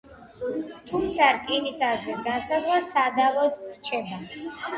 თუმცა „რკინის“ აზრის განსაზღვრა სადავოდ რჩება.